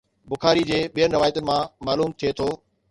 بخاري جي ٻين روايتن مان معلوم ٿئي ٿو